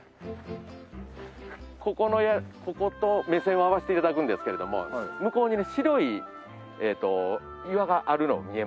ここと目線を合わせて頂くんですけれども向こうにね白い岩があるの見えます？